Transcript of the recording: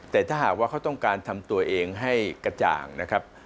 แต่ถ้าหากว่าเขาต้องการทำตัวเองให้กระจ่างนะครับ